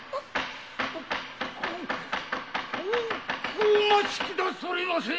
おお待ちくださりませ。